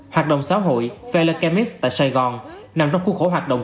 hoạt động xã hội phalachemist tại sài gòn nằm trong khu khổ hoạt động